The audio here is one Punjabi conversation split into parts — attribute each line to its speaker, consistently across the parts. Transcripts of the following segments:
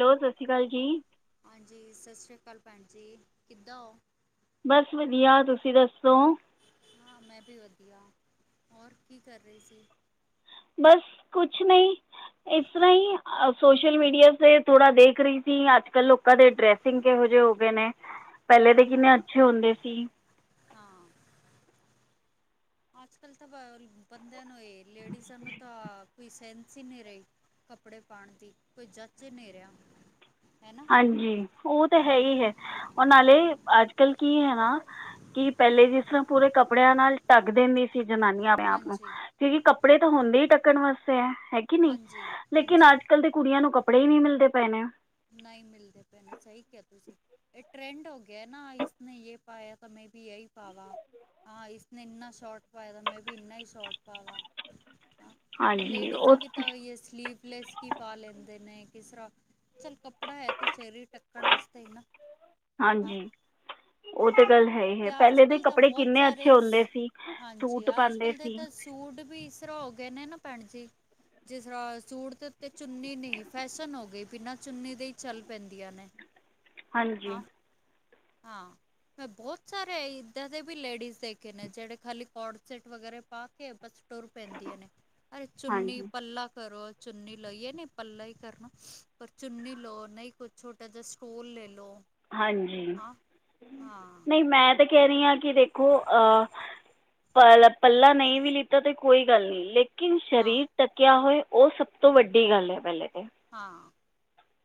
Speaker 1: ਹੈਲੋ ਸਤਿ ਸ਼੍ਰੀ ਅਕਾਲ ਜੀ।
Speaker 2: ਹਾਂਜੀ ਸਤਿ ਸ਼੍ਰੀ ਅਕਾਲ ਭੈਣ ਜੀ ਕਿੱਦਾਂ ਹੋ
Speaker 1: ਬਸ ਵਧੀਆ ਤੁਸੀਂ ਦੱਸੋ?
Speaker 2: ਹਾਂ ਮੈਂ ਵੀ ਵਧੀਆ ਹੋਰ ਕੀ ਕਰ ਰਹੇ ਸੀ?
Speaker 1: ਬਸ ਕੁਛ ਨਹੀਂ ਇਸ ਤਰ੍ਹਾਂ ਹੀ ਸੋਸ਼ਲ ਮੀਡੀਆ ਤੇ ਥੋੜਾ ਦੇਖ ਰਹੀ ਸੀ ਅੱਜ-ਕਲ ਲੋਕਾਂ ਦੇ ਡਰੈਸਿੰਗ ਕਿਹੋ ਜਿਹੇ ਹੋ ਗਏ ਨੇ? ਪਹਿਲੇ
Speaker 2: ਹਾਂ
Speaker 1: ਤਾਂ
Speaker 2: ਹਾਂ
Speaker 1: ਕਿੰਨੇ
Speaker 2: ਹਾਂ
Speaker 1: ਅੱਛੇ ਹੁੰਦੇ ਸੀ।
Speaker 2: ਹਾਂ। ਅੱਜ-ਕੱਲ ਤਾਂ ਬ ਬੰਦਿਆਂ ਨੂੰ ਇਹ ਲੇਡੀਜ਼ਾਂ ਨੂੰ ਤਾਂ ਕੋਈ ਸੈਂਸ ਈ ਨਹੀਂ ਰਹੀ ਕੱਪੜੇ ਪਾਣ ਦੀ ਕੋਈ ਚੱਜ ਈ ਨਹੀਂ ਰਿਹਾ। ਹੈ ਨਾ
Speaker 1: ਹਾਂਜੀ ਉਹ ਤਾਂ ਹੈ ਹੀ ਹੈ
Speaker 2: ਹਾਂ
Speaker 1: ਉਹ ਨਾਲੇ ਅੱਜ ਕੱਲ ਕੀ ਹੈ ਨਾ ਕਿ ਪਹਿਲੇ ਜਿਸਮ ਪੂਰੇ ਕੱਪੜਿਆਂ ਨਾਲ ਢੱਕ ਦਿੰਦੀ ਸੀ ਜਨਾਨੀਆਂ, ਆਪ ਨੂੰ
Speaker 2: ਹਾਂਜੀ
Speaker 1: ਕਿਉਂਕਿ ਕੱਪੜੇ ਤਾਂ ਹੁੰਦੇ ਹੀ ਢੱਕਣ ਵਾਸਤੇ ਹੈ ਹੈ ਕੇ ਨੀ
Speaker 2: ਹਾਂਜੀ
Speaker 1: ਲੇਕਿਨ
Speaker 2: ਹਾਂਜੀ
Speaker 1: ਅੱਜ ਕੱਲ ਦੇ ਕੁੜੀਆਂ ਨੂੰ ਕੱਪੜੇ ਹੀ ਨੀ ਮਿਲਦੇ ਪਏ ਨੇ।
Speaker 2: ਨਹੀਂ ਮਿਲਦੇ ਪਏ ਨੇ ਸਹੀ ਕਿਹਾ ਤੁਸੀਂ। ਇਹ ਟਰੈਂਡ ਹੋ ਗਿਆ ਨਾ ਇਸਨੇ ਯੇ ਪਾਇਆ ਤਾਂ ਮੈਂ ਵੀ ਯਹੀ ਪਾਵਾ ਹਾਂ ਇਸਨੇ ਇੰਨਾ ਸ਼ੋਟ ਪਾਯਾ ਦਾ ਮੈਂ ਵੀ ਇੰਨਾ ਹੀ ਸ਼ੋਟ ਪਾਵਾ। ਤ
Speaker 1: ਹਾਂਜੀ
Speaker 2: ਲੇਡੀਜ਼ ਦਾ
Speaker 1: ਉਹ
Speaker 2: ਵੀ ਤਾਂ ਸਲੀਵਲੈਸ ਹੀ ਪਾ ਲੈਂਦੇ ਨੇ ਕਿਸ ਤਰ੍ਹਾਂ ਚੱਲ ਕੱਪੜਾ ਹੈ ਤੇ, ਸ਼ਰੀਰ ਢੱਕਣ ਵਾਸਤੇ ਹੀ ਨਾ ਹਾਂ।
Speaker 1: ਹਾਂਜੀ ਉਹ ਤੇ
Speaker 2: ਹਾਂ
Speaker 1: ਗੱਲ ਹੈ ਹੀ
Speaker 2: ਤੇ
Speaker 1: ਹੈ
Speaker 2: ਅੱਜ
Speaker 1: ਪਹਿਲੇ ਦੇ
Speaker 2: ਕੱਲ ਤਾਂ
Speaker 1: ਕੱਪੜੇ
Speaker 2: ਬਹੁਤ
Speaker 1: ਕਿੰਨੇ ਅੱਛੇ
Speaker 2: ਸਾਰੇ
Speaker 1: ਹੁੰਦੇ ਸੀ
Speaker 2: ਹਾਂਜੀ
Speaker 1: ਸੂਟ
Speaker 2: ਅੱਜ
Speaker 1: ਪਾਉਂਦੇ
Speaker 2: ਕੱਲ ਦੇ
Speaker 1: ਸੀ
Speaker 2: ਤਾਂ, ਸੂਟ ਵੀ ਇਸ ਤਰਾਂ ਹੋ ਗਏ ਨੇ ਨਾ ਭੈਣ ਜੀ, ਜਿਸ ਤਰਾ ਸੂਟ ਦੇ ਉਤੇ ਚੁੰਨੀ ਨਹੀਂ ਫੈਸ਼ਨ ਹੋ ਗਈ ਬਿਨਾਂ ਚੁੰਨੀ ਦੇ ਈ ਚੱਲ ਪੈਂਦੀਆਂ ਨੇ,
Speaker 1: ਹਾਂਜੀ
Speaker 2: ਹਾਂ ਹਾਂ। ਮੈਂ ਬਹੁਤ ਸਾਰੇ ਇੱਦਾਂ ਦੇ ਵੀ ਲੇਡੀਜ਼ ਦੇਖੇ ਨੇ ਜੇੜੇ ਖਾਲੀ ਕੋਰਸੇਟ ਵਗੈਰਾ ਪਾ ਕੇ ਬਚ ਤੁਰ ਪੈਂਦੀਆਂ ਨੇ ਅਰੇ ਚੁੰਨੀ
Speaker 1: ਹਾਂਜੀ
Speaker 2: ਪੱਲਾ ਕਰੋ, ਚੁੰਨੀ ਲਈ ਏ ਕੇ ਪਲਾ ਹੀ ਕਰਨਾ ਪਰ ਚੁੰਨੀ ਲਓ ਨਹੀਂ ਕੁਛ ਛੋਟਾ ਜਿਹਾ ਸਟੋਲ ਲੈ ਲਓ।
Speaker 1: ਹਾਂਜੀ
Speaker 2: ਹਾਂ ਹਾਂ
Speaker 1: ਨਹੀਂ ਮੈਂ ਤਾਂ ਕਹਿ ਰਹੀ ਆਂ ਕਿ ਦੇਖੋ ਅਹ ਪੱਲਾ ਨਹੀਂ ਵੀ ਲਿੱਤਾ ਤੇ ਕੋਈ ਗੱਲ ਨਹੀ ਲੇ ਲੇਕਿਨ
Speaker 2: ਹਾਂ
Speaker 1: ਸਰੀਰ ਢਕਿਆ ਹੋਏ ਉਹ ਸਭ ਤੋਂ ਵੱਡੀ ਗੱਲ ਹੈ ਪਹਿਲੇ ਤੇ
Speaker 2: ਹਾਂ।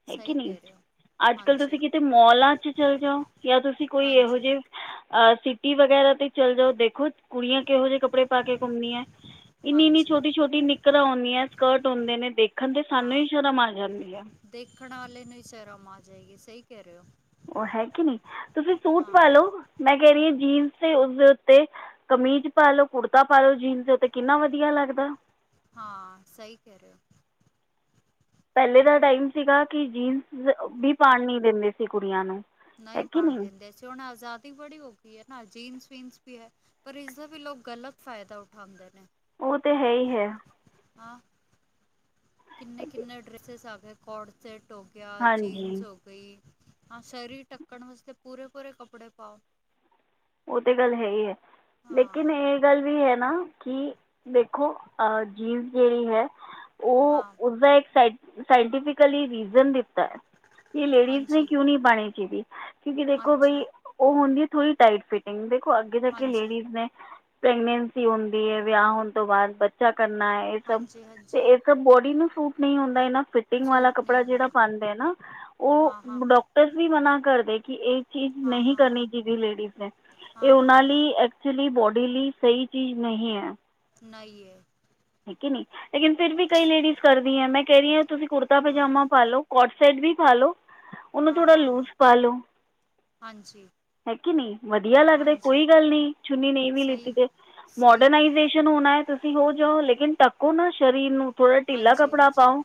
Speaker 1: ਹੈ
Speaker 2: ਸਹੀ
Speaker 1: ਕੇ ਨਹੀ
Speaker 2: ਕਹਿ ਰਹੇ ਹੋ
Speaker 1: ਅੱਜ ਕੱਲ੍ਹ
Speaker 2: ਹਾਂਜੀ
Speaker 1: ਤੁਸੀਂ ਕਿਤੇ ਮੋਲਾਂ ਤੇ ਚਲੇ ਜਾਓ ਜਾਂ ਤੁਸੀਂ ਕੋਈ ਇਹੋ
Speaker 2: ਹਾਂਜੀ
Speaker 1: ਜਿਹੇ ਅ ਸਿਟੀ ਵਗੈਰਾ ਤੇ ਚੱਲ ਜਾਓ ਦੇਖੋ ਕੁੜੀਆਂ ਕਿਹੋ ਜਿਹੇ ਕੱਪੜੇ ਪਾ ਕੇ ਘੁੰਮਦੀਆਂ? ਇੰਨੀ ਇੰਨੀ
Speaker 2: ਹਾਂਜੀ
Speaker 1: ਛੋਟੀ ਛੋਟੀ ਨਿਕਰਾਂ ਹੁੰਦੀਆਂ ਸਕਰਟ ਹੁੰਦੇ ਨੇ ਦੇਖਣ ਤੇ ਸਾਨੂੰ ਹੀ
Speaker 2: ਹਾਂ
Speaker 1: ਸ਼ਰਮ ਆ ਜਾਂਦੀ ਹੈ।
Speaker 2: ਦੇਖਣ ਵਾਲੇ ਨੂੰ ਹੀ ਸ਼ਰਮ ਆ ਜਾਏਗੀ ਸਹੀ ਕਹਿ ਰਹੇ ਹੋ।
Speaker 1: ਉਹ ਹੈ ਕਿ ਨਹੀ ਤੁਸੀਂ ਸੂਟ ਪਾ
Speaker 2: ਹਾਂ
Speaker 1: ਲਓ ਮੈਂ ਕਹਿ ਰਹੀ ਹਾਂ ਜੀਨਸ ਤੇ ਉਸਦੇ ਉੱਤੇ। ਕਮੀਜ਼ ਪਾ ਲਓ ਕੁੜਤਾ ਪਾ ਲਓ ਜੀਨਸ ਦੇ ਉਤੇ ਕਿੰਨਾ ਵਧੀਆ ਲੱਗਦਾ।
Speaker 2: ਹਾਂ ਸਹੀ ਕਹਿ ਰਹੇ ਔ।
Speaker 1: ਪਹਿਲੇ ਦਾ ਟਾਈਮ ਸੀਗਾ ਕਿ ਜੀਨਸ ਵੀ ਪਾਣ ਨੀ ਦਿੰਦੇ ਸੀ ਕੁੜੀਆਂ ਨੂੰ। ਹੈ
Speaker 2: ਨਹੀਂ
Speaker 1: ਕਿ
Speaker 2: ਪਾਣ ਦਿੰਦੇ ਸੀ ਹੁਣ ਆਜ਼ਾਦ [unintelligible] ਬੜੀ ਹੋ ਗਈ ਹੈ ਨਾ ਜੀਨਸ ਵੀਨਸ ਵੀ ਹੈ ਪਰ ਇਸਦਾ ਵੀ ਲੋਕ ਗਲਤ ਫਾਇਦਾ ਉਠਾਉਂਦੇ ਨੇ।
Speaker 1: ਉਹ ਤੇ ਹੈ ਹੀ ਹੈ।
Speaker 2: ਹਾਂ, ਕਿੰਨੇ-ਕਿੰਨੇ ਡਰੈੱਸਿਸ ਆ ਗਏ। ਕੋਡ ਸੈਟ ਹੋ ਗਿਆ ਜੀਨਸ
Speaker 1: ਹਾਂਜੀ
Speaker 2: ਹੋ ਗਈ ਹਾਂ ਸਰੀ ਟੱਕਣ ਵਾਸਤੇ ਪੂਰੇ ਪੂਰੇ ਕੱਪੜੇ ਪਾਓ।
Speaker 1: ਉਹ ਤੇ ਗੱਲ ਹੈ ਈ ਐ ਲੇਕਿਨ
Speaker 2: ਹਾਂ
Speaker 1: ਇਹ ਗੱਲ ਵੀ ਹੈ ਨਾ ਕਿ ਦੇਖੋ ਅਹ ਜੀਨਸ ਜਿਹੜੀ ਹੈ ਉਹ
Speaker 2: ਹਾਂ
Speaker 1: ਉਸਦਾ ਇੱਕ ਸਾਇਟੀਫਿਕਲੀ ਰੀਜ਼ਨ ਦਿੱਤਾ। ਕਿ ਲੇਡੀਜ਼ ਨੇ
Speaker 2: ਹਾਂਜੀ
Speaker 1: ਕਿਉਂ ਨਹੀਂ ਪਾਣੀ ਚਾਹੀਦੀ, ਕਿਉਂਕਿ ਦੇਖੋ
Speaker 2: ਅੱਛਾ
Speaker 1: ਬਈ ਉਹ ਹੁੰਦੀ ਹੈ ਥੋੜੀ ਟਾਈਟ ਫਿਟਿੰਗ ਦੇਖੋ ਅੱਗੇ ਜਾ ਕੇ
Speaker 2: ਹਾਂਜੀ
Speaker 1: ਲੇਡੀਜ਼ ਨੇ ਪ੍ਰੈਗਨੈਂਸੀ ਹੁੰਦੀ ਐ, ਵਿਆਹ ਹੋਣ ਤੋਂ ਬਾਅਦ ਬਚ ਬਚਾ ਕਰਨਾ ਐ ਇਹ ਸਭ,
Speaker 2: ਹਾਂਜੀ
Speaker 1: ਤੇ
Speaker 2: ਹਾਂਜੀ
Speaker 1: ਇਹ ਸਭ ਬੋਡੀ ਨੂੰ ਸੂਟ ਨੀ ਹੁੰਦਾਨਾ ਫਿਰ। ਫੀਟਿੰਗ ਵਾਲਾ
Speaker 2: ਸੂਟ ਨਹੀਂ
Speaker 1: ਕੱਪੜਾ ਜਿਹੜਾ
Speaker 2: ਹੁੰਦਾ
Speaker 1: ਪਾਂਦਾ ਐ ਨਾ ਉਹ
Speaker 2: ਹਾਂ ਹਾਂ ਹਾਂ
Speaker 1: ਡਾਕਟਰ ਵੀ ਮਨਾ ਕਰਦੇ ਕਿ- ਇਹ ਚੀਜ਼
Speaker 2: ਹਾਂ
Speaker 1: ਨਹੀਂ
Speaker 2: ਹਾਂ
Speaker 1: ਕਰਨੀ
Speaker 2: ਹਾਂ
Speaker 1: ਚਾਹੀਦੀ ਲੇਡੀਜ਼ ਨੇ ਇਹ
Speaker 2: ਹਾਂ
Speaker 1: ਉਹਨਾਂ
Speaker 2: ਹਾਂ ਹਾਂ
Speaker 1: ਲਈ ਐਕਚੁਲੀ ਬੋਡੀ ਲਈ ਸਹੀ ਚੀਜ਼ ਨਹੀਂ ਹੈ।
Speaker 2: ਨਹੀਂਏ
Speaker 1: ਠੀਕ ਹੈ ਨਹੀਂ ਲੇਕਿਨ ਫੇਰ ਵੀ ਕਈ ਲੇਡੀਜ਼ ਕਰਦੀਆਂ ਮੈਂ ਕਹਿ ਰਹੀ ਆਂ ਤੁਸੀਂ ਕੁੜਤਾ
Speaker 2: ਹਾਂ
Speaker 1: ਪਜਾਮਾ
Speaker 2: ਹਾਂ
Speaker 1: ਪਾ
Speaker 2: ਹਾਂ
Speaker 1: ਲਉ। ਕੋਡਸੇਟ ਵੀ ਪਾ ਲੋ ਉਹਨੂੰ
Speaker 2: ਹਾਂ
Speaker 1: ਥੋੜਾ
Speaker 2: ਹਾਂ
Speaker 1: ਲੂਜ
Speaker 2: ਹਾਂ
Speaker 1: ਪਾ ਲੋ।
Speaker 2: ਹਾਂਜੀ।
Speaker 1: ਹੈ ਕੇ ਨੀ ਵਧੀਆ ਲੱਗਦਾ
Speaker 2: ਹਾਂਜੀ
Speaker 1: ਕੋਈ ਗੱਲ ਨਹੀ ਚੁੰਨੀ ਨਹੀਂ ਵੀ ਲੀਤੀ
Speaker 2: ਸਹੀ
Speaker 1: ਤੇ।
Speaker 2: ਸਹੀ ਕਹਿ ਰਹੇ ਹੋ
Speaker 1: ਮੋਡਰਨਾਈਜੇਸ਼ਨ ਹੋਣਾ ਐ, ਤੁਸੀਂ ਹੋ ਜਾਓ ਲੇਕਿਨ ਓਹਨਾ, ਸਰੀਰ ਨੂੰ ਥੋੜ੍ਹਾ ਟਿੱਲਾ
Speaker 2: ਹਾਂਜੀ
Speaker 1: ਕੱਪੜਾ
Speaker 2: ਹਾਂਜੀ
Speaker 1: ਪਾਓ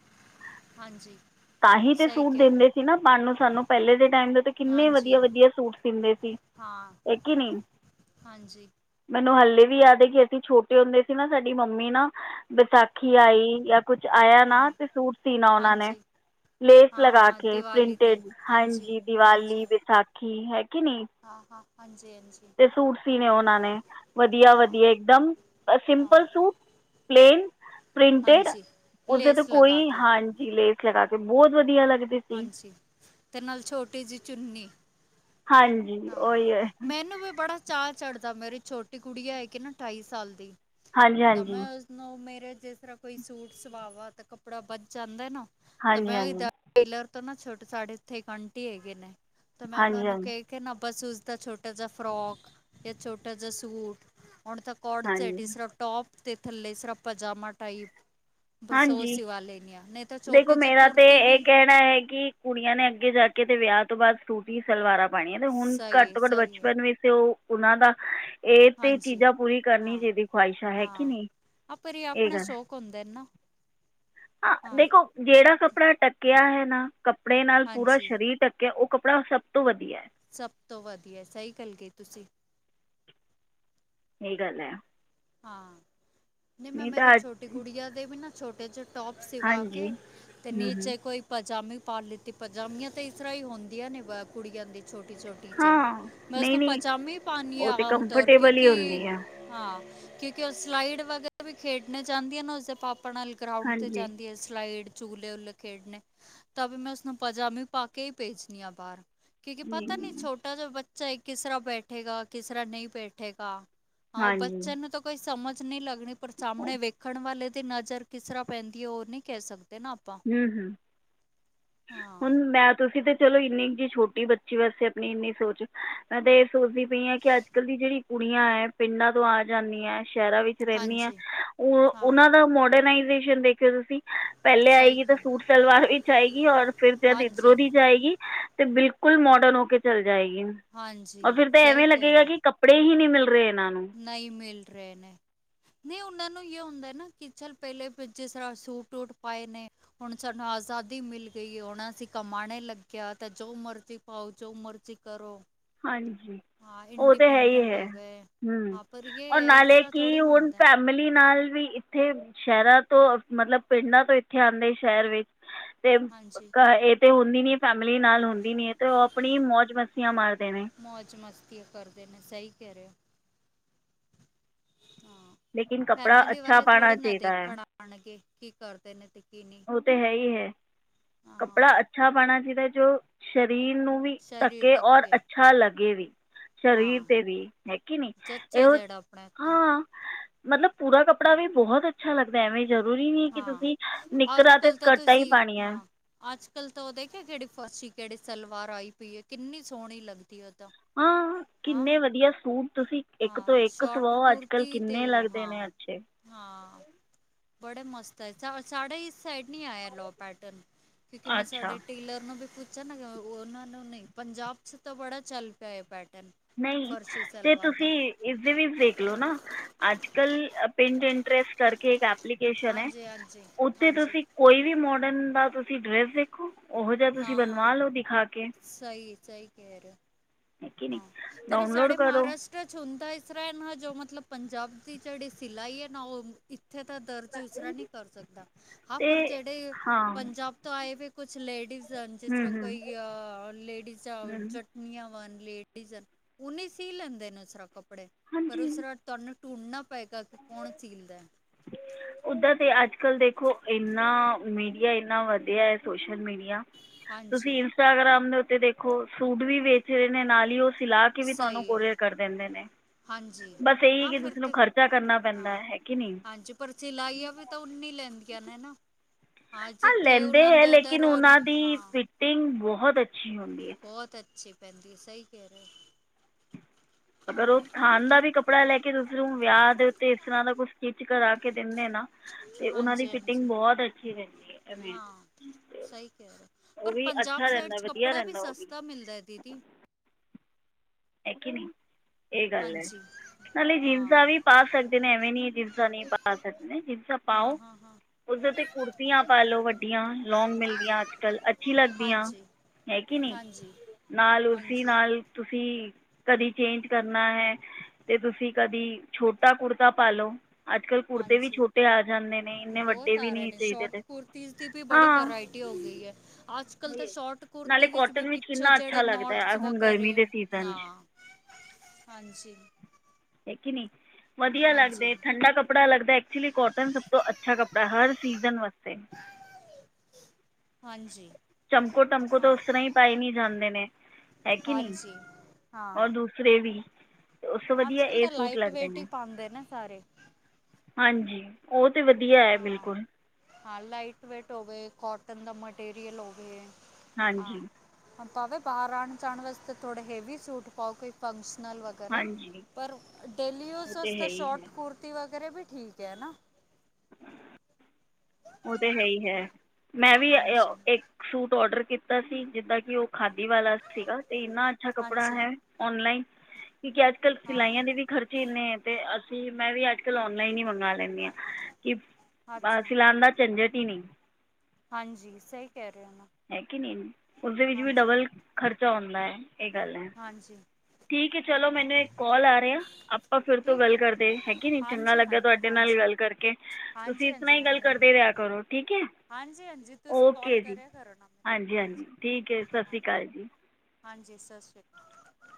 Speaker 2: ਹਾਂਜੀ।
Speaker 1: ਤਾਂਹੀ ਤੇ
Speaker 2: ਸਹੀ
Speaker 1: ਸੂਟ
Speaker 2: ਕਹਿ ਰਹੇ
Speaker 1: ਦਿੰਦੇ
Speaker 2: ਹੋ
Speaker 1: ਸੀ ਨਾ ਪਾਨ ਨੂੰ ਸਾਨੂੰ ਪਹਿਲੇ ਦੇ ਟਾਈਮ ਦੇ ਤੇ ਕਿੰਨੇ
Speaker 2: ਹਾਂਜੀ
Speaker 1: ਵਧੀਆ ਵਧੀਆ ਸੂਟ ਸਿੰਦੇ ਸੀ।
Speaker 2: ਹਾਂ
Speaker 1: ਇੱਕ [unintelligible]
Speaker 2: ਹਾਂਜੀ।
Speaker 1: ਮੈਨੂੰ ਹਲੇ ਵੀ ਯਾਦ ਐ ਕਿ ਅਸੀਂ ਛੋਟੇ ਹੁੰਦੇ ਸੀ ਨਾ ਸਾਡੀ ਮੰਮੀ ਨਾ ਵਿਸਾਖੀ ਆਈ ਯਾ ਕੁਛ ਆਇਆ
Speaker 2: ਹਾਂ
Speaker 1: ਨਾ ਤੇ ਸੂਟ ਸੀਨਾ ਉਹਨਾਂ ਨੇ।
Speaker 2: ਹਾਂਜੀ
Speaker 1: ਲੇਸ
Speaker 2: ਹਾਂ
Speaker 1: ਲਗਾ
Speaker 2: ਹਾਂ
Speaker 1: ਕੇ
Speaker 2: ਦੀਵਾਲੀ 'ਤੇ
Speaker 1: ਪ੍ਰਿੰਟੇਡ ਹਾਂਜੀ ਦੀਵਾਲੀ ਵਿਸਾਖੀ ਹੈ ਕੀ ਨੀ।
Speaker 2: ਹਾਂ-ਹਾਂ ਹਾਂਜੀ-ਹਾਂਜੀ।
Speaker 1: ਤੇ ਸੂਟ ਸੀਨੇ ਉਹਨਾਂ ਨੇ ਵਧੀਆ
Speaker 2: ਹਾਂ
Speaker 1: ਵਧੀਆ ਇਕ ਦਮ
Speaker 2: ਹਾਂ
Speaker 1: ਸਿੰਪਲ ਸੂ ਪਲੇਨ ਪ੍ਰਿੰਟੇਡ
Speaker 2: ਹਾਂਜੀ
Speaker 1: ਉਦੇ ਤੇ
Speaker 2: ਲੇਸ ਲਗਾ
Speaker 1: ਕੋਈ
Speaker 2: ਕੇ
Speaker 1: ਹਾਂ ਜੀ ਲੈ ਲਗਾ ਕੇ ਬਹੁਤ ਵਧੀਆ ਲ
Speaker 2: ਹਾਂਜੀ ਤੇ ਨਾਲ ਛੋਟੀ ਜਿਹ ਚੁੰਨੀ।
Speaker 1: ਹਾਂਜੀ ਉਹੀ
Speaker 2: ਹਾਂ
Speaker 1: ਹੈ
Speaker 2: ਮੈਨੂੰ ਵੀ ਬੜਾ ਚਾ ਚੜ੍ਹਦਾ ਮੇਰੀ ਛੋਟੀ ਕੁੜੀ ਹੈਗੀ ਨਾ ਠਾਈ ਸਾਲ ਦੀ
Speaker 1: ਹਾਂਜੀ
Speaker 2: ਤਾ
Speaker 1: ਹਾਂਜੀ
Speaker 2: ਮੈਂ ਨੋ ਮੇਰਾ ਜਿਸਰ੍ਹਾਂ ਕੋਈ ਸੂਟ ਸਵਾਵਾ ਤੇ ਕੱਪੜਾ ਬਚ ਜਾਂਦਾ ਨਾ ਤੇ
Speaker 1: ਹਾਂਜੀ
Speaker 2: ਮੈਂ
Speaker 1: ਹਾਂਜੀ
Speaker 2: ਟੈਲਰ ਤੋਂ ਨਾ ਛੋਟੇ ਸਾਡੇ ਇੱਥੇ ਇੱਕ ਆਂਟੀ ਹੈਗੇ ਨੇ ਤਾ ਮੈਂ ਉਹਨਾ
Speaker 1: ਹਾਂਜੀ
Speaker 2: ਨੂੰ ਕ
Speaker 1: ਹਾਂਜੀ
Speaker 2: ਕਿ ਨਾ ਬਸ ਉਸਦਾ ਛੋਟਾ ਜਿਹਾ ਫਰੋਕ ਯਾ ਛੋਟਾ ਜਿਹਾ ਸੂਟ ਹੁਣ ਤੱਕ ਕੋਡ ਸੈਟ
Speaker 1: ਹਾਂਜੀ
Speaker 2: ਸਿਰਫ ਟੋਪ ਤੇ ਥੱਲੇ ਸਰਾ ਪਜਾਮਾ ਟਾਈਪ। ਬਸ ਉਹ
Speaker 1: ਹਾਂਜੀ
Speaker 2: ਸਵਾ ਲੈਗੇਆ ਨਹੀਂ ਤਾਂ
Speaker 1: ਦੇਖੋ
Speaker 2: ਛੋਟੀ ਜ
Speaker 1: ਮੇਰਾ ਤਾਂ
Speaker 2: ਕੁਰਤੀ
Speaker 1: ਇਹ
Speaker 2: ਵੀ
Speaker 1: ਕਹਿਣਾ ਹੈ ਕਿ ਕੁੜੀਆਂ ਨੇ ਅੱਗੇ ਜਾ ਕੇ ਤੇ ਵਿਆਹ ਤੋਂ ਬਾਅਦ ਸੂਟੀ ਸਲਵਾਰਾਂ ਪਣੀਆਂ ਤੇ ਹੁਨ
Speaker 2: ਸਹੀ
Speaker 1: ਘੱਟ
Speaker 2: ਹੈ
Speaker 1: ਤੋਂ ਘੱਟ
Speaker 2: ਸਹੀ ਹੈ
Speaker 1: ਬਚਪਨ ਵੀ ਉਹ ਉਹਨਾਂ ਦਾ ਇਹ ਤੇ
Speaker 2: ਹਾਂਜੀ
Speaker 1: ਚੀਜ਼ਾਂ ਪੂਰੀ ਕਰਨੀ
Speaker 2: ਹਾਂ
Speaker 1: ਚਾ ਇਹਦੀ ਖਵਾਹਿਸ਼ਾਂ ਹੈਗੀ
Speaker 2: ਹਾਂ
Speaker 1: ਨੀ
Speaker 2: ਹਾਂ ਪਰ
Speaker 1: ਇਹ ਗੱਲ।
Speaker 2: [unintelligible] ਨਾ
Speaker 1: ਹਾਂ, ਦੇਖੋ ਜਿਹੜਾ ਕੱਪੜਾ ਟਕਿਆ ਹੈ ਨਾ ਕੱਪੜੇ ਨਾਲ ਪੂਰਾ
Speaker 2: ਹਾਂਜੀ
Speaker 1: ਸਰੀਰ ਟੱਕ ਕਿ ਉਹ ਕੱਪੜਾ ਸਭ ਤੋਂ ਵਧੀਆ ਐ
Speaker 2: ਸਭ ਤੋਂ ਵਧੀਐ ਸਹੀ ਗੱਲ ਕਹੀ ਤੁਸੀਂ।
Speaker 1: ਇਹੀ ਗੱਲ ਐ।
Speaker 2: ਹਾਂ ਨੀ ਮੈਂ ਮੇਰੇ
Speaker 1: ਤਾਂ ਅੱਜ
Speaker 2: ਛੋਟੀ ਕੁੜੀਆਂ ਦੇ ਵੀ ਨਾ ਛੋਟੇ ਚ ਟੋਪ ਸਿਵਾ
Speaker 1: ਹਾਂਜੀ
Speaker 2: ਕੇ ਤੇ
Speaker 1: ਹੂੰ ਹੂੰ
Speaker 2: ਨੀਚੇ ਕੋਈ ਪਜਾਮੀ ਪਾ ਲਿੱਤੀ ਪਜਾਮੀਆਂ ਤੇ ਇਸ ਤਰ੍ਹਾਂ ਹੀ ਹੁੰਦੀਆਂ ਨੇ ਵ ਕੁੜੀਆਂ ਦੀ ਛੋਟੀ ਛੋਟੀ।
Speaker 1: ਹਾਂ
Speaker 2: ਮੈਂ
Speaker 1: ਨਹੀਂ
Speaker 2: ਉਸਨੂੰ
Speaker 1: ਨਹੀਂ
Speaker 2: ਪਜਾਮੇ ਪਾਨੀ
Speaker 1: ਉਹ
Speaker 2: ਹਾਂ
Speaker 1: ਤਾਂ
Speaker 2: ਆਮ ਤੌਰ
Speaker 1: ਕੰਫਰਟੇਬਲ ਹੀ
Speaker 2: ਕਿਉਂਕਿ
Speaker 1: ਹੁੰਦੀ ਆ
Speaker 2: ਹਾਂ, ਕਿੳਕਿ ਉਹ ਸਲਾਈਡ ਵਗੈਰਾ ਵੀ ਖੇਡਨੇ ਜਾਂਦੀ ਐ ਨਾ ਉਸਦੇ ਪਾਪਾ ਨਾਲ ਗਰਾਉਂਡ ਤੇ
Speaker 1: ਹਾਂਜੀ
Speaker 2: ਜਾਂਦੀ ਸਲਾਈਡ ਚੁਲੇ ਉੱਲੇ ਖੇਡਨੇ ਤਾਂ ਵੀ ਮੈਂ ਉਸਨੂੰ ਪਜਾਮੀ ਪਾ ਕੇ ਹੀ ਭੇਜਨੀ ਆ ਬਾਹਰ। ਕਿਉਂਕਿ
Speaker 1: ਨਹੀਂ
Speaker 2: ਪਤਾ ਨੀ
Speaker 1: ਨਹੀਂ
Speaker 2: ਛੋਟਾ ਜਿਹਾ ਬੱਚਾ ਐ ਕਿਸ ਤਰ੍ਹਾਂ ਬੈਠੇਗਾ ਕਿਸ ਤਰ੍ਹਾਂ ਨਹੀਂ ਬੈਠੇਗਾ। ਹਾਂ ਉਹ
Speaker 1: ਹਾਂਜੀ
Speaker 2: ਬੱਚੇ ਨੂੰ ਤ ਕੋਈ ਸਮਝ ਨਹੀਂ ਲੱਗਣੀ ਪਰ ਸਾਹਮਣੇ ਵੇ ਰਖਣ ਵਾਲੇ ਦੀ ਨਜ਼ਰ ਕਿਸ ਤਰ੍ਹਾਂ ਪੈਂਦੀ ਹੈ ਉਹ ਨਹੀਂ ਕਹਿ ਸਕਦੇ ਨਾ ਆਪਾਂ
Speaker 1: ਹੂੰ, ਹੂੰ ਹੁਣ
Speaker 2: ਹਾਂ
Speaker 1: ਮੈਂ ਤੁਸੀਂ ਤੇ ਚਲੋ ਇੰਨੀ ਜਿ ਛੋਟੀ ਬੱਚੀ ਵਾਸਤੇ ਆਪਣੀ ਇੰਨੀ ਸੋਚ, ਮੈਂ ਤਾਂ ਇਹ ਸੋਚਦੀ ਪਈ ਹਾਂ ਕਿ ਅੱਜ-ਕੱਲ ਦੀ ਜਿਹੜੀ ਕੁੜੀਆਂ ਅ ਪਿੰਡਾਂ ਤੋਂ ਆ ਜਾਦੀਆਂ ਸ਼ਹਿਰਾਂ ਵਿੱਚ ਰਹਿਨੀ ਆ
Speaker 2: ਹਾਂਜੀ
Speaker 1: ਉਹ
Speaker 2: ਹਾਂ
Speaker 1: ਉਹਨਾਂ ਦਾ ਮੋਡਰਨਾਈਜੇਸ਼ਨ ਦੇਖਿਓ ਤੁਸੀਂ ਪਹਿਲੇ ਆਈ
Speaker 2: ਸਹੀ ਕਹਿ
Speaker 1: ਸੂਟ -ਸਲਵਾਰ ਵੀ ਚ ਆਏਗੀ ਔਰ ਫਿਰ ਜਦ ਇੱਧਰੋਂ
Speaker 2: ਹਾਂਜੀ
Speaker 1: ਦੀ ਜਾਏਗੀ ਤੇ ਬਿਲਕੁਲ ਮੋਡਨ ਹੋ ਕੇ ਚੱਲ ਜਾਏਗੀ ਔਰ
Speaker 2: ਹਾਂਜੀ
Speaker 1: ਫਿਰ ਤਾਂ
Speaker 2: ਸਹੀ
Speaker 1: ਐਵੇਂ
Speaker 2: ਕਹਿ ਰਹੇ
Speaker 1: ਲੱਗੇਗਾ
Speaker 2: ਹੋ
Speaker 1: ਕਿ ਕ ਪੜੇ ਹੀ ਨੀ ਮਿਲ ਰਹੇ ਇਹਨਾਂ ਨੂੰ।
Speaker 2: ਨਹੀਂ ਮਿਲ ਰਹੇ ਨੇ ਨਹੀਂ ਉਹਨਾਂ ਨੂੰ ਇਹੋ ਹੁੰਦਾ ਨਾ ਕਿ ਚੱਲ ਪਹਿਲੇ ਜਿਸ ਤਰ੍ਹਾਂ ਸੂਟ ਵੂਟ ਪਾਏ ਨੇ ਹੁਣ ਸਾਨੂੰ ਆਜ਼ਾਦੀ ਮਿਲ ਗਈ ਹੁਣ ਅਸੀਂ ਕਮਾਣੇ ਲੱਗਿਆ ਤੇ ਜੋ ਮਰਜ਼ੀ ਪਾਔ ਜੋ ਮਰਜੀ ਕਰੋ।
Speaker 1: ਹਾਂਜੀ
Speaker 2: ਹਾਂ
Speaker 1: ਉਹ ਤੇ ਹੈ ਹੀ
Speaker 2: ਇੰਡੀਪੈਂਡੈਂਟ ਹੋ ਗਏ
Speaker 1: ਹੈ।
Speaker 2: ਹਾਂ ਪਰ
Speaker 1: ਔਰ
Speaker 2: ਇਹ ਇਸ
Speaker 1: ਨਾਲੇ
Speaker 2: ਤਰ੍ਹਾਂ ਥੋੜ੍ਹੀ
Speaker 1: ਕੀ
Speaker 2: ਨਾ
Speaker 1: ਹੁਨ
Speaker 2: ਹੁੰਦਾ ਹੈ।
Speaker 1: ਪੈ ਫੈਮਲੀ ਨਾਲ ਵੀ ਇੱਥੇ ਸ਼ਹਿਰਾਂ ਤੋਂ ਮਤਲਬ ਪਿੰਡਾਂ ਤੋਂ ਇੱਥੇ ਆੰਦੇ ਸ਼ਹਿਰ ਵਿੱਚ ਤੇ ਏ
Speaker 2: ਹਾਂਜੀ
Speaker 1: ਕ ਏ ਤੇ ਹੁੰਦੀ ਨੀ ਫੈਮਿਲੀ ਨਾਲ ਹੁੰਦੀ ਨੀ ਹੈ ਤੇ ਉਹ ਆਪਣੀ ਮੌਜ ਮਸਤਿਆਂ ਮਾਰਦੇ ਨੇ।
Speaker 2: ਮੌਜ ਮਸਤੀ ਕਰਦੇ ਨੇ ਸਹੀ ਕਹ ਰਹੇ ਔ ਹਾਂ।
Speaker 1: ਲੇਕਿਨ ਕੱਪੜਾ
Speaker 2: ਫੈਮਿਲੀ
Speaker 1: ਅੱਛਾ
Speaker 2: ਵਾਲੇ
Speaker 1: ਪਾਉਣਾ
Speaker 2: ਥੋੜੇ ਨਾ
Speaker 1: ਚਾਹੀਦਾ ਹੈ
Speaker 2: ਦੇਖਣ ਆਣਗੇ ਕੀ ਕਰਦੇ ਨੇ ਤੇ ਕੀ ਨਹੀਂ
Speaker 1: ਉਹ ਤੇ ਹੈ ਹੀ ਹੈ ਕੱਪੜਾ
Speaker 2: ਹਾਂ
Speaker 1: ਅੱਛਾ ਪਾਉਣਾ ਚਾਹੀਦਾ ਜੋ ਸਰੀਰ ਨੂੰ ਵੀ
Speaker 2: ਸਰੀਰ
Speaker 1: ਢੱਕੇ ਔਰ
Speaker 2: ਟੱਕੇ
Speaker 1: ਅੱਛਾ ਲੱਗੇ ਵੀ। ਸਰੀਰ
Speaker 2: ਹਾਂ
Speaker 1: ਤੇ ਵੀ ਹੈਗੀ ਨੀ
Speaker 2: ਜੱਚ ਹੈ
Speaker 1: ਏਹੋ
Speaker 2: ਜਿਹੜਾ ਆਪਣੇ ਉੱਤੇ
Speaker 1: ਹਾਂ। ਮਤਲਬ ਪੂਰਾ ਕੱਪੜਾ ਵੀ ਬਹੁਤ ਅੱਛਾ ਲੱਗਦਾ ਐਵੇਂ ਜ਼ਰੂਰੀ ਨਹੀਂ ਕਿ ਤੁਸੀਂ ਨੀ
Speaker 2: ਕਲ ਤਾਂ ਤੁਸੀਂ ਹਾਂ। ਅੱਜ-ਕੱਲ ਤਾਂ ਉਹ ਦੇਖਿਆ ਜੇਹੜੀ ਫਰਸੀ ਕਿਹੜੀ ਸਲਵਾਰ ਆਈ ਪਈ ਹੈ ਕਿੰਨੀ ਸੋਹਣੀ ਲੱਗਦੀ ਔਹ ਤਾਂ।
Speaker 1: ਹਾਂ
Speaker 2: ਹਾਂ
Speaker 1: ਕਿੰਨੇ ਵਧੀਆ ਸੂਟ ਤੁਸੀਂ ਇੱਕ ਤੋਂ
Speaker 2: ਹਾਂ
Speaker 1: ਇੱਕ
Speaker 2: ਸ਼ਾਰਟ
Speaker 1: ਸੁਵਾਔ ਅੱਜ-ਕਲ
Speaker 2: ਕੁੁਰਤੀ ਤੇ
Speaker 1: ਕਿੰਨੇ
Speaker 2: ਉਹ
Speaker 1: ਲੱਗਦੇ
Speaker 2: ਹਾਂ
Speaker 1: ਨੇ ਅੱਛੇ।
Speaker 2: ਹਾਂ ਬੜੇ ਮਸਤ ਹੈ [unintelligible] ਸਾਈਡ ਨੀ ਆਇਆ ਲੋ ਪੈਟਨ, ਕਿਉਂਕਿ ਮੈਂ
Speaker 1: ਅੱਛਾ
Speaker 2: ਸਾਡੇ ਟੇਲਰ ਨੂੰ ਵੀ ਪੂ ਚੰਨ ਉਹਨਾਂ ਨੂੰ ਨਈ ਪੰਜਾਬ ਚ ਤਾਂ ਬੜਾ ਚੱਲ ਪਿਆ ਇਹ ਪੈਟਰਨ
Speaker 1: ਨਹੀਂ
Speaker 2: ਫਰਸ਼ੀ
Speaker 1: ਤੇ
Speaker 2: ਸਲਵਾਰ
Speaker 1: ਤੁਸੀਂ
Speaker 2: ਦਾ
Speaker 1: ਇਸਦੇ ਵਿੱਚ ਦੇਖਲੋ ਨਾ ਅੱਜ-ਕੱਲ ਪਿੰਟਇੰਟਰਸ ਕਰਕੇ ਇਕ ਏ ਪਲੀਕੇਸਨ ਹੈ
Speaker 2: ਹਾਂਜੀ ਹਾਂਜੀ
Speaker 1: ਉੱਥੇ
Speaker 2: ਹਾਂਜੀ
Speaker 1: ਤੁਸੀਂ ਕੋਈ ਵੀ ਮੋਡਰਨ ਦਾ ਤੁਸੀਂ ਡਰੈਸ ਦੇਖੋ ਉਹੋ ਜਹਾ ਤੁਸੀਂ
Speaker 2: ਹਾਂ ਹਾਂ
Speaker 1: ਬਣਵਾ ਲੋ ਦਿਖਾ ਕੇ।
Speaker 2: ਸਹੀ ਐ ਸਹੀ ਕਹਿ ਰਹੇ
Speaker 1: ਹੈ ਕਿ ਨਹੀਂ
Speaker 2: ਉ ਪਰ ਇਹ
Speaker 1: ਡਾਊਨਲੋਡ
Speaker 2: ਸਾਡੇ
Speaker 1: ਕਰੋ
Speaker 2: ਮਹਾਰਾਸ਼ ਟ ਹੁੰਦਾ ਇਸ ਤਰ੍ਹਾਂ ਹੈ ਨਾ ਜੋ ਮਤਲਬ ਪੰਜਾਬ ਦੀ ਜਿਹੜੀ ਸਿਲਾਈ ਹੈ ਨਾ ਉਹ ਇੱਥੇ ਦਾ ਦਰਜੀ ਉਸਰਾ ਨਈ ਕਰ ਸਕਦਾ, ਹਾਂ ਪਰ
Speaker 1: ਅਤੇ
Speaker 2: ਜਿਹੜੇ
Speaker 1: ਹਾਂ
Speaker 2: ਪੰਜਾਬ ਤੋਂ ਆਏ ਵੀ ਕੁਛ ਲੇਡੀਜ਼ ਹਨ ਜਿਸ
Speaker 1: ਹੂੰ
Speaker 2: ਤਰ੍ਹਾਂ
Speaker 1: ਹੂੰ
Speaker 2: ਕੋਈ ਅ ਲੇਡੀਜ਼
Speaker 1: ਹੂੰ
Speaker 2: ਜਟਨੀਆਂ ਵਨ ਲੇਡੀਜ਼ ਹਨ ਉਹ ਨਹੀਂ ਸੀ ਲੈਂਦੇ ਨੇ ਉਸਰਾ ਕੱਪੜੇ ਪਰ
Speaker 1: ਹਾਂਜੀ
Speaker 2: ਉਸਰਾ ਤੁਹਾਨੂੰ ਢੂੰਢਨਾ ਪਏਗਾ ਕਿ ਕੌਣ ਸੀਲਦਾ।
Speaker 1: ਓਦਾਂ ਤੇ ਅੱਜ-ਕੱਲ ਦੇਖੋ ਇੰਨਾ ਮੀਡੀਆ ਇੰਨਾ ਵਧੀਆ ਹੈ ਸੋਸ਼ਲ ਮੀਡੀ ਡੀਆ
Speaker 2: ਹਾਂਜੀ
Speaker 1: ਤੁਸੀਂ ਇੰਸਟਾਗ੍ਰਾਮ ਦੇ ਉੱਤੇ ਦੇਖੋ ਸੂਟ ਵੀ ਵੇਚ ਰਹੇ ਨੇ ਨਾਲ ਹੀ ਉਹ ਸਿਲਾ ਕੇ ਵੀ ਤੁਹਾਨੂੰ
Speaker 2: ਸਹੀ ਹੈ
Speaker 1: ਕੋਰੀਅਰ ਕਰ ਦਿੰਦੇ ਨੇ।
Speaker 2: ਹਾਂਜੀ
Speaker 1: ਬਸ ਇਹੀ
Speaker 2: ਹਾਂ
Speaker 1: ਕਿ
Speaker 2: ਫਿਰ
Speaker 1: ਤੁਸੀ ਨੂੰ
Speaker 2: ਤੇ
Speaker 1: ਖ਼ਰਚਾ ਕਰਨਾ
Speaker 2: ਹਾਂ
Speaker 1: ਪੈਂਦਾ ਹੈ ਕੇ ਨੀ।
Speaker 2: ਹਾਂਜੀ ਪਰ ਸਿਲਾਈਆਂ ਵੀ ਤਾਂ ਉਨੀ ਲੈਂਦੀਆਂ ਨੇ ਨਾ। ਹਾਂ ਜਿੱਥੇ ਉਹਨਾ ਦੇ ਉਤੇ ਰੋ ਹਾਂ।
Speaker 1: ਟਿੰਗ ਬਹੁਤ ਅੱ
Speaker 2: ਬਹੁਤ ਅੱਛੀ ਪੈਂਦੀ ਸਹੀ ਕਹਿ ਰਹੇ ਔ।
Speaker 1: ਅਗਰ ਉਹ ਥਾਨ ਦਾ ਵੀ ਕੱਪੜਾ ਲੈ ਕੇ ਉਸਨੂੰ ਵਿਆਹ ਦੇ ਉੱਤੇ ਇਸ ਤਰ੍ਹਾਂ ਦਾ ਕੁਛ ਸਟਿਚ ਕਰਾ ਕੇ ਦਿੰਦੇ ਨਾ ਤੇ ਉਹਨਾਂ ਦੀ
Speaker 2: ਹਾਂਜੀ
Speaker 1: ਫਿਟਿੰਗ
Speaker 2: ਹਾਂਜੀ
Speaker 1: ਬਹੁਤ ਅੱਛੀ ਰਹਿੰਦੀ
Speaker 2: ਹਾਂ
Speaker 1: ਹੈ [unintelligible]
Speaker 2: ਸਹੀ ਕਹਿ ਰਹੇ
Speaker 1: ਉਹ
Speaker 2: ਪਰ
Speaker 1: ਵੀ
Speaker 2: ਪੰਜਾਬ
Speaker 1: ਅੱਛਾ
Speaker 2: ਸਾਈਡ
Speaker 1: ਰਹਿੰਦਾ
Speaker 2: ਚ
Speaker 1: ਵਧੀਆ
Speaker 2: ਕੱਪੜਾ ਵੀ
Speaker 1: ਰਹਿੰਦਾ ਉਹ
Speaker 2: ਸਸਤਾ ਮਿਲਦਾ ਦੀਦੀ।
Speaker 1: ਹੈ ਕੇ ਨਈ।
Speaker 2: ਹਾਂਜੀ,
Speaker 1: ਨਾਲੇ
Speaker 2: ਹਾਂ
Speaker 1: ਜੀਨਸਾਂ ਵੀ ਪਾ ਸਕਦੇ ਨੇ, ਐਵੇਂ ਨੀ ਜੀਨਸਾਂ ਨਹੀਂ ਪਾ ਸਕਦੇ, ਜੀਨਸਾਂ
Speaker 2: ਹਾਂ
Speaker 1: ਪਾਓ।
Speaker 2: ਹਾਂ ਹਾਂ
Speaker 1: ਉਸਦੇ ਤੇ ਕੁੜਤੀਆਂ ਪਾ ਲਓ, ਵੱਡੀਆਂ ਲੋਂਂਗ ਮਿਲਦੀਆਂ ਅੱਜ- ਕਲ੍ਹ ਅੱਛੀ ਲੱਗਦੀਆਂ।
Speaker 2: ਹਾਂਜੀ
Speaker 1: ਹੈ ਕੇ ਨੀ
Speaker 2: ਹਾਂਜੀ
Speaker 1: ਨਾਲ ਉਸੀ
Speaker 2: ਹਾਂਜੀ
Speaker 1: ਨਾਲ ਤੁਸੀ ਕਦੀ ਚੇਂਜ ਕਰਨਾ ਹੈ, ਤੇ ਤੁਸੀਂ ਕਦੀ ਛੋਟਾ ਕੁੜਤਾ ਪਾਲੋ। ਅੱਜ-ਕੱਲ ਕੁੜਤੇ ਵੀ
Speaker 2: ਹਾਂਜੀ
Speaker 1: ਛੋਟੇ ਆ ਜਾਂਦੇ ਨੇ ਇੰਨੇ ਵੱਡੇ
Speaker 2: ਬਹੁਤ
Speaker 1: ਵੀ
Speaker 2: ਆ ਰਹੇ
Speaker 1: ਨਹੀਂ
Speaker 2: ਨੇ
Speaker 1: ਚਾਹੀਦੇ
Speaker 2: ਸ਼ੋਰਟ
Speaker 1: ਤੇ
Speaker 2: ਕੁੁਰਤੀਜ਼ ਵੀ ਬੜੀ
Speaker 1: ਹਾਂ
Speaker 2: ਵਰਾਇਟੀ ਹੋ ਗਈ ਹੈ ਅੱਜ-ਕਲ ਤਾਂ ਸ਼ੋਟ
Speaker 1: ਨਾਲੇ
Speaker 2: ਕੁੁਰਤੀ ਵਿੱਚ ਵੀ
Speaker 1: ਕੋਟਨ
Speaker 2: ਪਿੱਛੇ
Speaker 1: ਕਿੰਨਾ ਅੱਛਾ
Speaker 2: ਜਿਹੜੇ
Speaker 1: ਲੱਗਦਾ ਹੈ
Speaker 2: ਨੋਟਸ ਵ
Speaker 1: ਹੁਣ ਗਰਮੀ
Speaker 2: ਘਰੇ
Speaker 1: ਦੇ ਸੀਜ਼ਨ
Speaker 2: ਨਾ
Speaker 1: 'ਚ
Speaker 2: ਹਾਂਜੀ।
Speaker 1: ਹੈ ਕਿ ਨੀ ਵਧੀਆ
Speaker 2: ਹਾਂਜੀ
Speaker 1: ਲੱਗਦੇ ਠੰਡਾ ਕੱਪੜਾ ਲੱਗਦਾ। ਐਕਚੁਲੀ ਕੋਟਨ ਸਭ ਤੋਂ ਅੱਛਾ ਕੱਪੜਾ ਹਰ ਸੀਜ਼ਨ ਵਾਸਤੇ।
Speaker 2: ਹਾਂਜੀ
Speaker 1: ਚਮਕੋ ਟਮਕੋ ਤਾਂ
Speaker 2: ਹਾਂ
Speaker 1: ਉਸ ਤਰ੍ਹਾਂ ਹੀ ਪਾਏ ਨੀ ਜਾਂਦੇ ਨੇ ਹੈ ਕਿ ਨਹੀਂ
Speaker 2: ਹਾਂਜੀ
Speaker 1: ਔਰ
Speaker 2: ਹਾਂ
Speaker 1: ਦੂਸ ਫੇਵੀ ਉਸ ਤੋਂ
Speaker 2: ਅੱਜ
Speaker 1: ਵਧੀਆ,
Speaker 2: ਕੱਲ੍ਹ
Speaker 1: ਇਹ
Speaker 2: ਤਾਂ
Speaker 1: ਸੂਟ
Speaker 2: ਲਾਈਟ
Speaker 1: ਲੱਗਦੇ
Speaker 2: ਵੇਟ ਹੀ
Speaker 1: ਨੇ,
Speaker 2: ਪਾਉਂਦੇ ਨੇ ਸਾਰੇ
Speaker 1: ਹਾਂਜੀ, ਉਹ ਤੇ ਵਧੀਆ ਹੈ,
Speaker 2: ਹਾਂ
Speaker 1: ਬਿਲਕੁਲ
Speaker 2: ਹਾਂ ਲਾਈਟ ਵੇਟ ਹੋਵੇ, ਕੋਟਨ ਦਾ ਮਟੀਰੀਅਲ ਹੋਵੇ
Speaker 1: ਹਾਂਜੀ
Speaker 2: ਹਾਂ। ਭਾਂਵੇ ਬਾਹਰ ਆਣ -ਜਾਣ ਵਾਸਤੇ, ਥੋੜੇ ਹੈਵੀ ਸੂਟ ਪਾਓ ਕੋਈ ਫੰਕਸ਼ਨਲ ਵ ਕਰੇ,
Speaker 1: ਹਾਂਜੀ
Speaker 2: ਪਰ ਡੇਲੀ
Speaker 1: ਉਹ
Speaker 2: ਯੂਜ਼ਸ
Speaker 1: ਤਾਂ ਹੈ
Speaker 2: ਵਾਸਤੇ,
Speaker 1: ਹੀ ਹੈ
Speaker 2: ਸ਼ੋਟ ਕੁੜਤੀ ਵਗੈਰਾ ਵੀ ਠੀਕ ਹੈ ਨਾ,
Speaker 1: ਉਹ ਤਾਂ ਹੈ ਹੀ, ਹੈ ਮੈਂ ਵੀ
Speaker 2: ਹਾਂਜੀ
Speaker 1: ਇੱਕ ਸੂਟ ਔਡਰ ਕੀਤਾ ਸੀ, ਜਿੱਦਾਂ ਕਿ ਉਹ ਖਾਦੀ ਵਾਲਾ ਸੀਗਾ, ਤੇ ਇੰਨਾ ਅੱਛਾ ਕੱਪੜਾ
Speaker 2: ਹਾਂਜੀ
Speaker 1: ਹੈ, ਔਨਲਾਈਨ ਕਿਉਂਕਿ ਅੱਜ ਅੱਜ-ਕੱਲ੍ਹ
Speaker 2: ਹਾਂ
Speaker 1: ਸਿਲਾਈਆਂ ਦੇ ਵੀ ਖਰਚੇ ਇੰਨੇ ਆ ਤੇ, ਅਸੀਂ ਮੈਂ ਵੀ ਅੱਜ-ਕੱਲ ਔਨਲਾਈਨ ਹੀ ਮੰਗਵਾ ਲੈਂਦੀ ਹਾਂ, ਕਿ ਬਾਅਦ ਚ
Speaker 2: ਅੱਛਾ
Speaker 1: ਸਿਲਾਉਣ ਦਾ ਝੰਜਟ ਹੀ, ਨਹੀਂ।
Speaker 2: ਹਾਂਜੀ ਸਹੀ ਕਹਿ, ਰਹੇ ਹੋ ਨਾ,
Speaker 1: ਹੈ ਕਿ ਨੀ, ਉਸਦੇ ਵਿੱਚ ਵੀ
Speaker 2: ਹਾਂਜੀ
Speaker 1: ਡਬਲ ਖਰਚਾ ਹੁੰਦਾ ਹੈ, ਇਹ ਗੱਲ ਹੈ।
Speaker 2: ਹਾਂਜੀ
Speaker 1: ਠੀਕ ਹੈ ਚਲੋ, ਮੈਨੂੰ ਇੱਕ ਕਾਲ ਆ ਰਿਹਾ। ਆਪਾਂ ਫਿਰ ਤੋਂ
Speaker 2: ਠੀਕ
Speaker 1: ਗੱਲ
Speaker 2: ਹੈ
Speaker 1: ਕਰਦੇ ਹੈ, ਕਿ, ਨੀ, ਚੰਗਾ-
Speaker 2: ਹਾਂਜੀ
Speaker 1: ਲੱਗਾ
Speaker 2: ਹਾਂਜੀ
Speaker 1: ਤੁਹਾਡੇ ਨਾਲ
Speaker 2: ਹਾਂਜੀ
Speaker 1: ਗੱਲ ਕਰਕੇ, ਤੁਸੀਂ ਇਸ ਤਰ੍ਹਾਂ
Speaker 2: ਹਾਂਜੀ-ਹਾਂਜੀ
Speaker 1: ਹੀ ਗੱਲ
Speaker 2: ਮੈਨੂੰ ਵੀ
Speaker 1: ਕਰਦੇ ਰਿਹਾ ਕਰੋ। ਠੀਕ ਹੈ,
Speaker 2: ਹਾਂਜੀ-ਹਾਂਜੀ, ਤੁਸੀਂ ਕਾਲ ਕਰਿਆ ਕਰੋ ਨਾ।
Speaker 1: ਹਾਂਜੀ-ਹਾਂਜੀ, ਠੀਕ ਹੈ, ਸਤਿ ਸ਼੍ਰੀ
Speaker 2: ਹਾਂਜੀ
Speaker 1: ਅਕਾਲ ਜੀ।
Speaker 2: ਹਾਂਜੀ, ਸਤਿ ਸ਼੍ਰੀ ਅਕਾਲ,